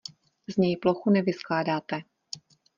Z něj plochu nevyskládáte.